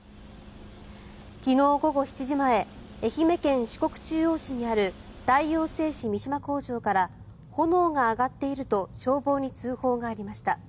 昨日午後７時前愛媛県四国中央市にある大王製紙三島工場から炎が上がっていると消防に通報がありました。